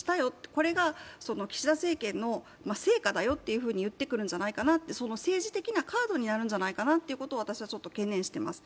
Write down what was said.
これが岸田政権の成果だよと言ってくるんじゃないか、その政治的なカードになるんじゃないかなということを懸念しています。